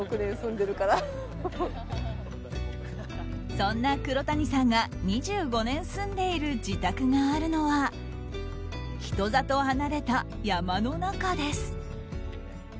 そんな黒谷さんが２５年住んでいる自宅があるのは人里離れた山の中です。